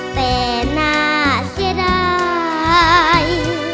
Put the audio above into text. แต่น่าเสียดาย